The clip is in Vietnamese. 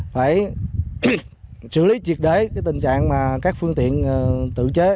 phải xử lý triệt đế tình trạng mà các phương tiện tự chế